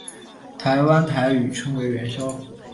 台湾台语称为元宵。